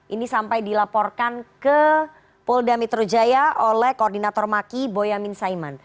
ini sampai dilaporkan ke polda metro jaya oleh koordinator maki boyamin saiman